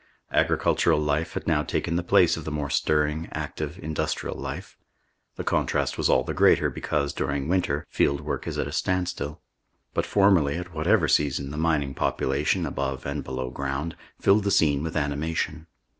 Agricultural life had now taken the place of the more stirring, active, industrial life. The contrast was all the greater because, during winter, field work is at a standstill. But formerly, at whatever season, the mining population, above and below ground, filled the scene with animation.